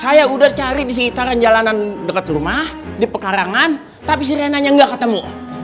saya udah cari di sekitaran jalanan dekat rumah di pekarangan tapi si neneknya nggak ketemu